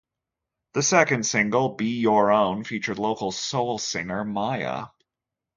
The second single, "Be your own", featured local soul singer Maya.